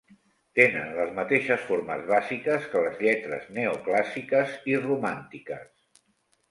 Tenen les mateixes formes bàsiques que les lletres neoclàssiques i romàntiques.